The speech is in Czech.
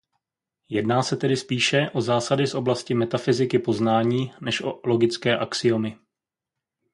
Jedná se tedy spíše o zásady z oblasti "metafyziky"" poznání" než o logické axiomy.